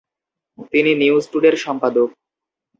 তিনি "নিউজ টুডে"র সম্পাদক।